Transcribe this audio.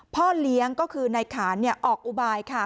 พ่อเลี้ยงก็คือนายขานออกอุบายค่ะ